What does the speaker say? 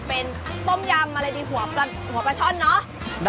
เป็นต้มยำอะไรดีหัวปลาช่อนเนอะ